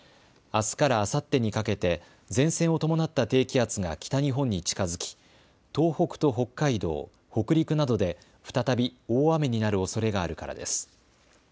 あすからあさってにかけて前線を伴った低気圧が北日本に近づき東北と北海道、北陸などで再び大雨になるおそれがあるからです。